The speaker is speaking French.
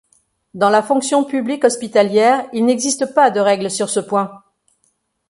Dans la fonction publique hospitalière, il n'existe pas de règles sur ce point.